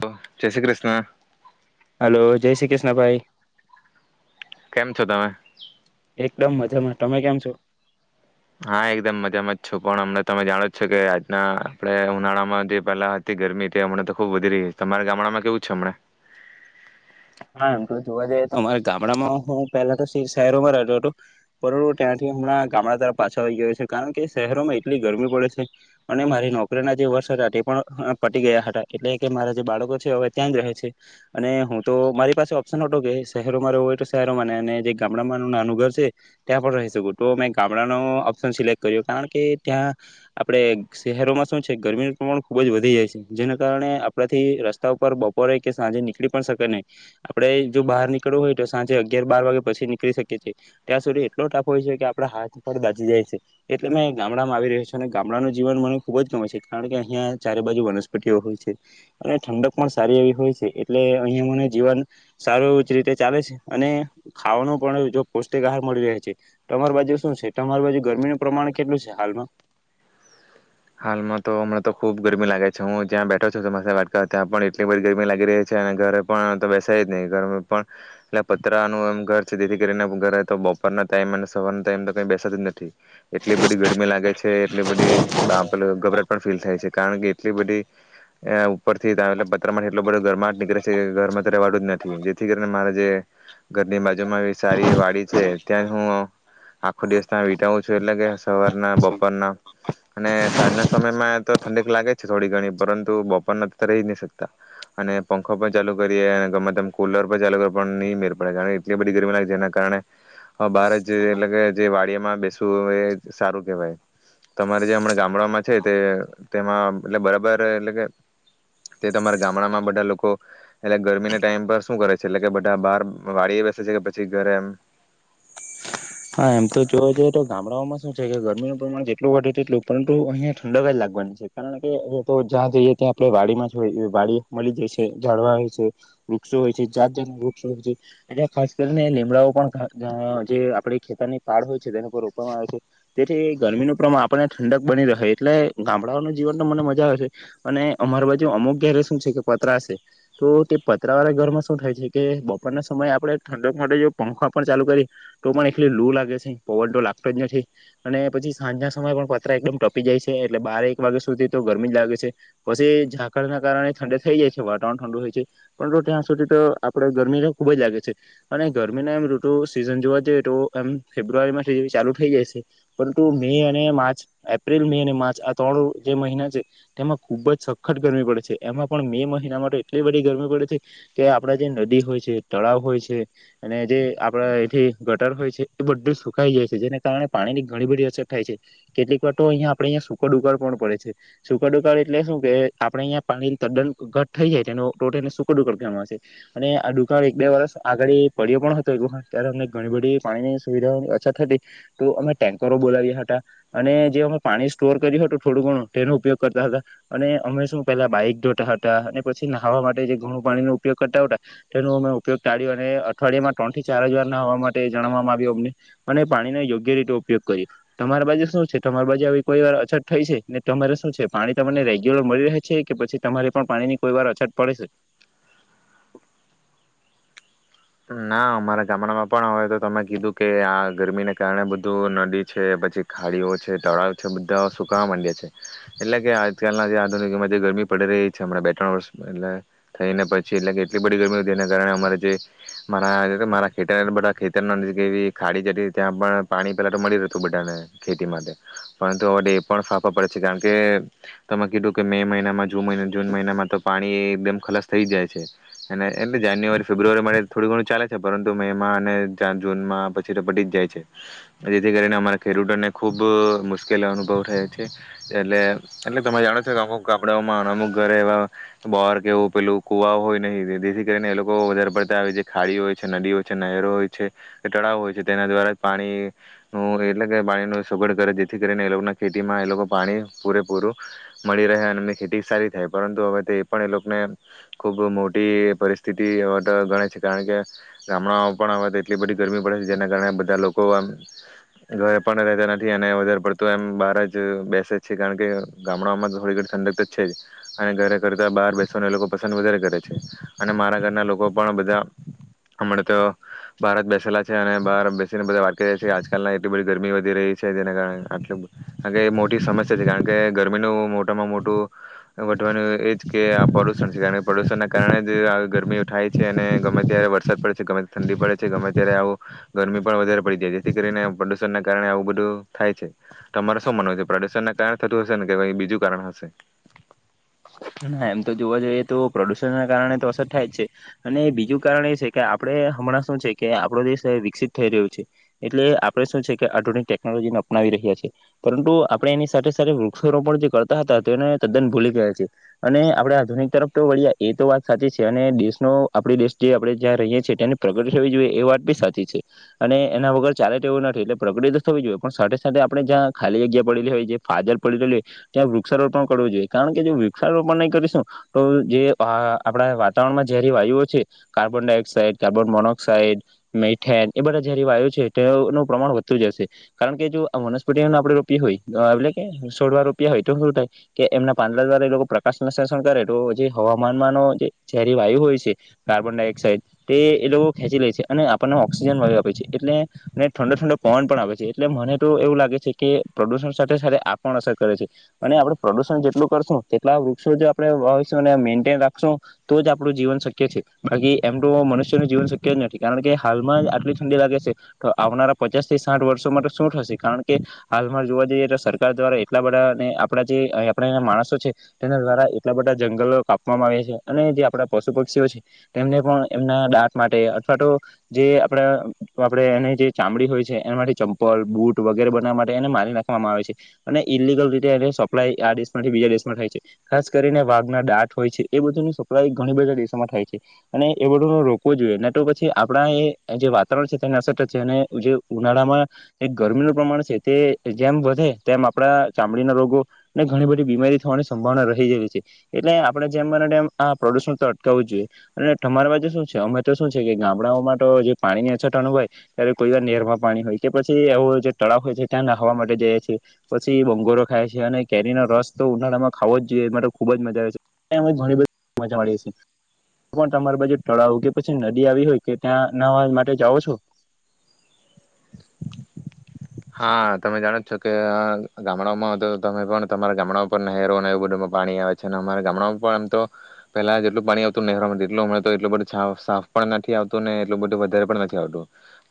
Hello જય Shri Krishna. Hello જય શ્રી કૃષ્ણભાઈ. કેમ છો તમે? મ મજામાં તમે કેમ છો? હા એકદમ મજામાં જ છો પણ અમને તમે જાણો જ છો કે આજના આપણે ઉનાળામાં જે પહેલા હતી ગરમી તે હમને તો ખુબ વધી રહી તમારા ગામડામાં કેવું છે? હમ. હા એમ તો જોવા જઈએ તો અમારા ગામડામાં હું પહેલા તો શહેરોમાં રહેતો હતો, પરંતુ ત્યાંથી હમણાં ગામડા તરફ પાછો આવી ગયો છે કારણ કે શહેરોમાં એટલી ગરમી પડે છે, અને મારી નોકરીના જે વર્ષ હતા તે પણ પટી ગયા હતા એટલે કે મારા જે બાળકો છે હવે ત્યાં જ રહે છે, અને તો મારી પાસે ઓપ્શન હતો કે શહેરોમાં રહેવો હોય તો શહેરોમાં ને અને જે ગામડામાંનું નાનું ઘર છે, ત્યાં પણ રહી શકું તો મેં ગામડાનો ઓપ્શન સિલેક્ટ કર્યો કારણ કે ત્યાં, આપણે શહેરોમાં શું છે ગરમીનું પ્રમાણ ખૂબ જ વધી જાય છે જેના કારણે આપણાથી રસ્તા ઉપર બપોરે કે સાંજે નીકળી પણ શકે નહીં. આપડે જો બહાર નીકળવું હોય તો સાંજે અગિયાર બાર વાગે પછી નીકળી શકીએ છીએ, ત્યાં સુધી એટલો ટાફ હોય છે કે આપડા હાથ પર દાજી જાય છે, એટલે મેં ગામડામાં આવી રહ્યો છેું અને ગામડાનું જીવન મને ખુબ જ ગમે છે કારણ કે અહિયાં ચારે બાજુ વનસ્પતિઓ હોય છે, અને ઠંડક પણ સારી એવી હોય છે એટલે અહિયાં મને જીવન, સારું રીતે ચાલે છે અને ખાવાનું પણ જો પૌષ્ટિક આહાર મળી રહે છે, તમારી બાજુ શું છે તમારી બાજુ ગરમીનું પ્રમાણ કેટલું છે હાલમાં હાલમાં તો હમણાં તો ખુબ ગરમી લાગે છે હું જ્યાં બેઠો છું ચોમાસા વાટકા ત્યાં પણ એટલી બધી ગરમી લાગી રહી છે અને ઘરે પણ બેસે જ નહીં ગર પણ, એટલે પતરાનું એમ ઘર છે જેથી કરીને ઘરે તો બપોરનો ટાઈમ અને સવારનો ટાઈમ તો ક બેસતો જ નથી, એટલી બધી ગરમી લાગે છે એટલી બધી પે ગભરાટ પણ ફીલ થાય છે કારણ કે એટલી બધી, ઉપરથી ત એટ પથર એટલો બધો ગરમાટ નીકળે છે કે ઘરમાં ત્યારે વાળું જ નથી જેથી કરીને મારા જે, ઘરની બાજુમાં સારી વાડી છે ત્યાં હું, આખો દિવસ ત્યાં વિતાવું છું એટલે કે સવારના બપોરના, અને સાંજના સમયમાં તો ઠંડીક લાગે છે થોડી ઘણી પરંતુ બપોરના તો રહી જ નહી શકતા, અને પંખો પણ ચાલુ કરીએ અને ગમે તમ કુલર પણ ચાલુ કરી પણ નહી મેર પડે કારણ, એટલી બધી ગરમી લાગે જેના કારણે બાર જ જે એટલે કે જે વાડીયામાં બેસવુંય એ સારું કેહેવાય, તમારે જે હમણાં ગામ ગામડામાં છે તે તેમાં એટ બરાબર એટલે કે, તે તમારા ગામડામાં બધા લોકો એટલે ગરમીના ટાઈમ પર શું કરે છે એટલે કે બધા બહાર વાડી બેસે છે કે પછી ઘરે એમ. હા એમ તો જો જઈએ તો ગામડાઓમાં શું છે કે ગરમીનું પ્રમાણ જેટલું વધે તેટલું પરંતુ અહિયાં ઠંડકવા જ લાગવાની છે કારણ કે હવે તો જ્યાં જઈએ ત્યાં આપણે વાડીમાં જ વાડી મળી જશે ઝાડવા હોય છે, વૃક્ષો હોય છે જાત જાતનું વૃક્ષ હોય છે, એને ખાસ કરીને લીમડાઓ ખેતરની પાાળ હોય છે તેની ઉપર રોપવામાં આવે છે, તેથી ગરમીનું પ્રમાણ આપણને ઠંડક બની રહે એટલે ગામડાઓનું જીવન તો મને મજા આવે છે, અને અમારી બાજુ અમુક ઘેરે શું છે કે પતરાશે તો તે પતરાવાળા ઘરમાં શું થાય છે કે બપોરના સમયે આપણે ઠંડક માટે જો પંખા પણ ચાલુ કરી, તો પણ એટલી લુ લાગે છે પવન તો લાગતો જ નથી, અને પછી સાંજના સમયે પણ પતરા એકદમ ટપી જાય છે એટલે બારે એક વાગ્યા સુધી તો ગરમી જ લાગે છે, પછી ઝાકળના કારણે ઠંડે થઈ જાય છે વાતાવરણ ઠંડુ હોય છે, પર તો ત્યાં સુધી તો આપણે ગરમી તો ખૂબ જ લાગે છે, અને ગરમીના એમ રુટુ સિઝન જોવા જઈએ તો ફેબ્રુઆરી મા જેવી ચાલુ થઈ જશે પરંતુ મે અને માર્ચ એપ્રિલ મે અને માર્ચ આ ત્રણ જે મહિના છે, તેમાં ખુબ જ સખત ગરમી પડે છે. એમાં પણ મે મહિના માટે એટલી બધી ગરમી પડે છે કે આપણા જે નદી હોય છે તળાવ હોય છે અને જે આપણા એથી ગટર હોય છે. બધું સુકાઈ જાય છે જેના કારણે પાણીની ઘણી બધી અસર થાય છે, કેટલીક વાર તો અહિયાંયા આપણે અંયા સૂકા દુકાળ પણ પડે છે, સૂકા દુકાળ એટલે શું કે આપડણે અહંયા પાણીની તદ્દન ઘટ થઈ જાય છે એનો ટોટને સૂક દુકાળ કહે છે, અને આ દુકાળ એક બે વર્ષ આગળ પડ્યો પણ હતો એક વખત ત્યારે અમને ઘણી બધી પાણીની સુવિધાઓની અછત થતી, તો અમે ટેન્કરો બોલાવ્યા હતા અને જે અમે પાણી સ્ટોર કર્યું હતું થોડું ઘણું તેનો ઉપયોગ કરતા હતા અને અમે શું પહેલા બાઈક ધોતા હતા અને પછી નહવા માટે જે ઘણું પાણીનો ઉપયોગ કરતા હુતા, તેનો અમે ઉપયોગ ટાઢ્યો અને અઠવાડિયામાં ત્રણ થી ચારજવાર નહવા માટે જણાવવામાં અને પાણીનો યોગ્ય રીતે ઉપયોગ કરી, તમારા બાજુ શું છે તમારી બાજુ આવી કોઈ વાર અછત થઈ છે ને તમારે શું છે પાણી તમને રેગ્યુલર મળી રહે છે કે પછી તમારે પણ પાણીની કોઈ વાર અછત પડે છે? ના અમારા ગામડામાં પણ આવેય તો તમે કીધું કે આ ગરમીને કારણે બધું નદી છે પછી ખાડીઓ છે તળાવ છે બધા સુકાવા માંડ્યા છે, એટલે કે આજકાલના જે આધુનિકમાં જે ગરમી પડી રહી છે. હમણા બે ત્રણ વર્ષ એટલે, થઈ ને પછી એટલે કે એટલી બધી ગરમી એના કારણે અમારે જે મારા ઘરે મારા ખેતર બધા ખેતર ખાડી જતી ત્યાં પણ પાણી પેલા તો મળી રહેતું બધાને ખેતી માટે, પરંતુ હવે એ પણ ફાફા પડે છે. કારણ કે તમે કીધું કે મે મહિનામાં જુ જૂન મહિનામાં તો પાણી એકદમ ખલસ થઈ જાય છે, અને એટલે જાન્યુઆરી ફેબ્રુઆરી થોડી ઘણું ચાલે છે પરંતુ મેમાં અને જૂનમાં પછી તોપટી જ જાય છે, જેથી કરીને અમારા ખેડૂતોને ખૂબ મુશ્કેલ અનુભવ થાય છે, એટલે એટલે તમારે જાણો છો કે અમુક કપડાઓમાં અમુક ઘરે એવા, બોર કેવું પેલું કુવા હોય નહીં જેથી કરીને એ લોકો વધારે પડતા આવે ખાડી હોય છે નદી હોય છે, નહેરો હોય છે કે તળાવ હોય છે તેના દ્વારા જ પાણીનું, એટલે કે પાણી ન સગડ કરે જેથી કરીને એ લોકોના ખેતીમાં એ લોકો પાણી પૂરેપૂરું, મળી રહે અને એ ખેતી સારી થાય પરંતુ હવે તે એ પણ એ લોકોને ખુબ મોટી પરિસ્થિતિ ગ ગણાય છે. કારણ કે, ગામડાઓમાં પણ હ તો એટલી બધી ગરમી પડે છે જેના કારણે બધા લોકો આમ, ઘરે પણ રહેતા નથી અને વધારે પડતું એમ બહાર જ બેસે જ છે કારણ કે ગામડાઓમાં તો થોડી ઘણી ઠંડક તો છેજ, અને ઘરે કરતા બહાર બેસવાને એ લોકો પસંદ વધારે કરે છે, અને મારા ઘરના લોકો પણ બધા હમણાં તો, બહારત બેસેલા છે. અને બહાર બેસીને બધા વાત કરી રહ્યા છે કે આજકાલ એટલી બધી ગરમી વધી રહી છે. જેના કારણે આટલું અને મોટી સમસ્યા છે કારણ કે ગરમીનું મોટામાં મોટું, વધવાનું એજ કે આ પદૂષણ છે, કારણ કે પદૂષણ કારણે જ ગરમી થાય છે, અને ગમે ત્યારે વરસાદ પડે છે ગમે ઠંડી પડે છે ગમે ત્યારે આવું ગરમી પણ વધારે પડી જાય, જેથી કરીને પ્રદુષણના કારણે આવું બધું થાય છે, તમારે શું મનય છે પ્રદુષણ ના કારણે થતું હશે ને કે બીજું કારણ હશે? ના એમ તો જોવા જઈએ તો પ્રદૂષણના કારણે તો અસર થાય જ છે, અને બીજું કારણ એ છે કે આપણે હમણાં શું છે કે આપણો દેશ વિકસિત થઈ રહ્યો છે, એટલે આપણે શું છે કે આધુનિક ટેકનોલોજીને અપનાવી રહ્યા છેએ, પરંતુ આપણે એની સાથે સાથે વૃક્ષોનું પણ જે કરતા હતા તે એને તદ્દન ભૂલી ગયા છે. અને આપણે આધુનિક તરફ તો વળી એ તો વાત સાચી છે અને દેશનો આપડી દેશ જે આપણે જ્યાં રહીએ છીએ ત્યાંની પ્રગતિ થવી જોઈએ એ વાત બી સાચી છે, અને એના વગર ચાલે તે એવું નથી એટલે પ્રગતિ તો થવી જોઈએ પણ સાથે સાથે આપડણે જ્યાં ખાલી જગ્યા પડીલી હોય, જે ફાજલ પડીલી હોય ત્યાં વૃક્ષારોપણ પણ કરવું જોઈએ કારણ કે જો જે અ આપણા વાતાવરણમાં ઝેરી વાયુઓ છે carbon dioxide, carbon monoxide, methane એ બધા ઝેરી વાયુ છે, તેનું પ્રમાણ વધતું જશે કારણ કે જો આ મનસ્પટી આપણે રોપી હોય, એટલે કે સોડવા રોપિયા હોય તો હુ થાય કે એમના પાંદડા દ્વારા એ લોકો પ્રકાશનું શષણ કરે તો જે હવામાનમાનો જે ‍ ઝેરી વાયુ હોય છે, કાર્બન ડાયોક્સાઇડ તે એ લોકો ખેંચી લે છે, અને આપણને ઓઑક્સિજન વાળુ આપે છે. એટલે ને ઠંડો ઠંડો પવન પણ આપ છે એટલે મને તો એવું લાગે છે, કે પ્રદૂષણ સાથે સાથે આપણ અસર કરે છે, અને આપણે પ્રદુષણ જેટલું કરશું. જેટલા વૃક્ષો જો આપણે વાવીશું અને મેન્ટેન રાખશું, તો જ આપણું જીવન શક્ય છે. ખાલી એમ તો મનુષ્યનું જીવન શક્ય જ નથી કારણ કે હાલમાં આટલી ઠંડી લાગે છે, તો આવનારા પચાસ થી સાઠ વર્ષોમાં તો શું થશે, કારણ કે હાલમાં જોવા જઈએ તો સરકાર દ્વારા એટલા બધા ને આપણા જે આપણા માણસો છે તેના દ્વારા એટલા બધા જંગલો કાપવામાં આવે છે, અને જે આપડા પશુ પક્ષીઓ છે. તેમને પણ એમના દાંત માટે અથવા તો, જે આપડા આપણે એની જે ચામડી હોય છે એના માટે ચંપલ બુટ વગેરે બનાવવા માટે એને મારી નાખવામાં આવે છે, અને ઈલિગલ રીતે એને સપ્લાય આ દેશમાંથી બીજા દેશમાં થાય છે. ખાસ કરીને વાઘના દાંત હોય છે એ બધુંની સપ્લાય ઘણી બધા દેશોમાં થાય છે, અને એ બધું ન રોકવો જોઈએ ને તો પછી આપણા એ જે વાતાવરણ છે. તેનાસટ છે અને જે, ઉનાળામાં ગરમીનું પ્રમાણ છે તે જેમ વધે તેમ આપડા ચામડીના રોગો, ને ઘણી બધી બીમારી થવાની સંભાવના રહીવી છે, એટલે આપણે જેમ મનેમ આ પ્રદુષણ તો અટકાવું જ જોઈએ અને તમારી બાજુ શું છે, અમે તો શું છે કે ગામડાઓ માટે જે પાણીની અછત અનું હોય ત્યારે કોઈ વાર નેરમાં પાણી હોય કે પછી એવો જે તળાવ હોય છે ત્યાં નાખવા માટે જઈ છીએ પછી બંગોરો ખાય છીએ અને કેરીનો રસ તો ઉનાળામાં ખાવો જ જોઈએ, માટે ખુબ જ મજા આવે છે ઘણી બધી મજા મળી તમારી બાજુ તળાવ કે પછી નદી આવી હોય, કે ત્યાંવા નહાવા માટે જાઓ છો? હા તમે જાણો જોકે ગામડાઓમાં હતો તમે પણ તમારા ગામડાઓમાં પણ નહેરો અને એવું બધુંમાં પાણી આવે છે અને અમારા ગામડાઓમાં પણ આમ તો, પેલા જેટલું પાણી આવતું નહેરોમાં જેટલું મળતો એટલું બધું સાફ પણ નથી આવતું ને એટલું બધું વધારે પણ નથી આવતું,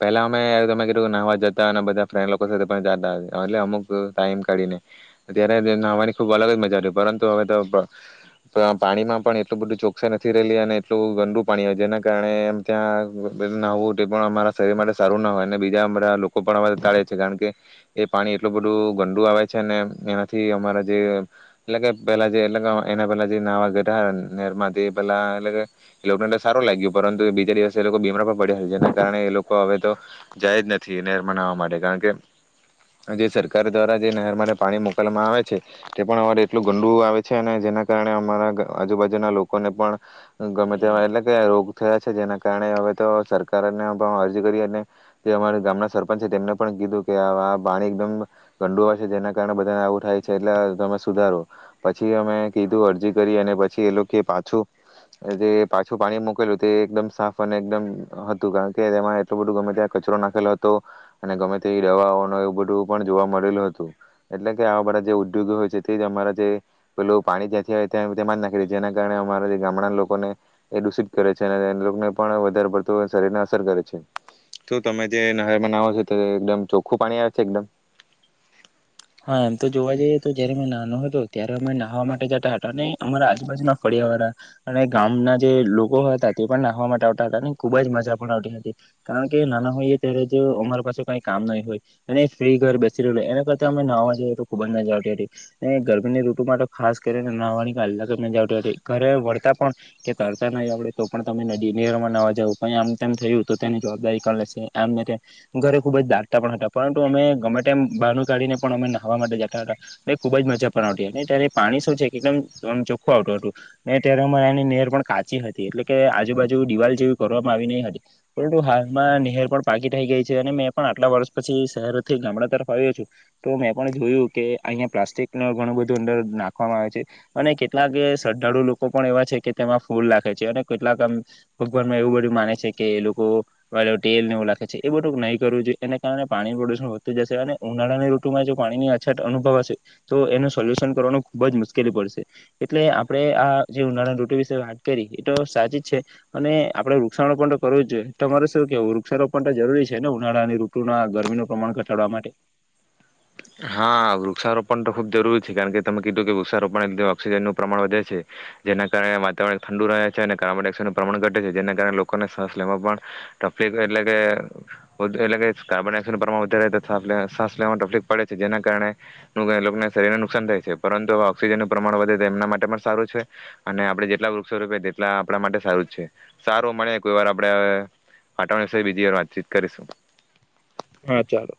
પેલા અમે તમે કીધું કે નહવા જતા અને બધા ત લોકો સાથે પણ જતા હતા એટલે અમુક ટાઈમ કાઢીને, ત્યારે નહવાની ખૂબ અલગ જ મજા ર પરંતુ, હવે તો પાણીમાં પણ એટલું બધું ચોખાઈ નથી રહેલી અને એટલું ગંદું પાણી હોય જેના કારણે એમ ત્યાં નહવવું તે પણ અમારા શરીર માટે સારું ના હોય અને બીજા બધા લોકો પણ હ તળે છે કારણ કે, એ પાણી એટલું બધું ગંડું આવે છે અને એનાથી અમારા જે, એટલે કે પેલા જે એટના પેલા જે નાવા ગઢાર થી પેલા એટલે કે એ લોકોને એ સારું લાગ્યું પરંતુ બીજા દિવસે એ લોકો પડ્યા જેના કારણે એ લોકો હવે તો જાય જ નથી. [unintelligible] ણ કે આજે સરકાર દ્વારા જે નહેરમાંને પાણી મોકલવામાં આવે છે. તે પણ અરે એટલું ગંડું આવે છે અને જેના કારણે અમારા ગ આજુબાજુના લોકોને પણ ગમે તેવા એટલે કે રોગ થયા છે જેના કારણે હવે તો સરકારને અરજી કરી અને જે અમારા ગામના સરપંચ છે તેમને પણ કીધું કે આ પાણી એકદમ ગંડું હો છે જેના કારણે બધાને આવું થાય છે. એટલે તમે સુધારો પછી અમે કીધું અરજી કરી અને પછી એ લોકો પાછું જે પાછું પાણી મોકેલું તે એકદમ સાફ અને એકદમ હતું કારણ કે તેમાં એટલું બધું ગમે ત્યાં કચરો નાખેલો હતો. અને ગમે તે દવા ન એવું બધું પણ જોવા મળેલું હતું એટલે કે આવા બધા જે ઉદ્યોગ હોય છે તે જ અમારા જે પેલું પાણી જ્યાંથી આવે તં તેમાં જ નાખી દે છે જેના કારણે અમારા જે ગામડાના લોકોને એ દૂષિત કરે છે અને એ લોકોને પણ વધારે પડતું શરીરને અસર કરે છે. તો તમે જે નહેરમાં ન એકદમ ચોખ્ખું પાણી આવે છે એકદમ. હા તો જોવા જઈએ તો જયારે મે નાનો હતો ત્યારે અમે નાહવા માટે જતા હતા અને અમારા આજુબાજના ફળિયાવાળા અને ગામના જે લોકો હતા તે પણ નાહવા માટે આવતા હતા અને ખુબ જ મજા પણ આવતી હતી કારણ કે નાના હોયએ ત્યારે જ અમારા પાસે કઈ કામ નહી હોય અને ફ્રી ઘર બેસી રહ એના કર ત અમે નવા જએ તો ખુબ જ મજા આવતી હતી. એ ગરમીનીઋતુ માટે ખાસ કરીને નવાની કલાક જ મજા આવતી હતી ઘરે વળતા પણ કે તરતા નહીં આવડે તો પણ તમે નદી નેરમાં નવા જાવ પણ આમ થયું તો તેની જવાબદારી કળ લેશે આમ ને તેમ ઘરે ખુબ જ દાટતા પણ હતા પરંતુ અમે ગમે. ટાઈમ બ ગાડીને પણ અમે નહાવા માટે જતા હતા મે ખુબ જ મજા પણ આવતી હતી. ને તેરે પાણી શું છે કે એકદમમ ચોખ્ખું આવું હતું ને ત્યારે અમારે એની નહેર પણ કાચી હતી એટલે કે આજુબાજુ દિવાલ જેવી કરવામાં આવી ની હતી પરંતુ હાલમાં નહેર પણ પાકી થઈ ગઈ છે. અને મેં પણ આટલા વર્ષ પછી શહેરથી ગામડા તરફ આવ્યો છું. તો મેં પણ જોયું કે અહીંયા પ્લાસ્ટિક ન ઘણું બધું અંદર નાખવામાં આવે છે. અને કેટલાક શ્રદ્ધાળુ લોકો પણ એવા છે કે તેમાં ફૂલ નાખે છે. અને કેટલાક આમ ભગવાનમાં એવું બધું માને છે કે એ લોકો ટેલ એવું લાખે છે. એ બધું નહીં કરવું જોઈએ એને કારણે પાણી પ્રદુષણ હોતું જશે અને ઉનાળાનું ઋતુમાં જો પાણીની અછત અનુભવ હશે તો એનું સોલ્યુશન કરવાનું ખૂબ જ મુશ્કેલી પડશે એટલે આપણે આ જે ઉનાળાની ઋતુ વિશે વાત કરી એ તો સાચી જ છે. અને આપણે વૃક્ષારોપણ તો કરવું જ જોઈએ તમારે શું કેવું વૃક્ષારોપણ તો કરવું જુએ. તમારુ શું કહેવું જરૂરી છે. ને ઉનાળાની ઋતુના ગરમીનું પ્રમાણ ઘટાડવા માટે. હા વૃક્ષારોપણ તો ખુબ જરૂરી છે. કારણ કે તમે કીધું કે વૃક્ષારોપણને લીધે ઓક્સિજનનું પ્રમાણ વધે છે. જેના કારણે વાતાવરણ ઠંડુ રહે છે. અને કાર્બન ડાયોક્સાઇડનું પ્રમાણ ઘટે છે. જેના કારણે લોકોનો શ્વાસ લેવામાં પણ તફલી એટલે કે એટલે કે કાર્બન ડાયોક્સાઇડ નું પ્રમાણ વધે રહે શ્વાસ લેવામાં તફલી પડે છે જેના કારણેને શરીરને નુકસાન થાય છે. પરંતુ ઓક્સિજનનું પ્રમાણ વધે તો એમના માટે પણ સારું છે. અને આપણે જેટલા વૃક્ષ રોપે તેટલા આપણા માટે સારું જ છે. સારું મળે કોઈ વાર [unintelligible] આપણે બીજી વાર વાતચીત કરીશું. હા ચાલો.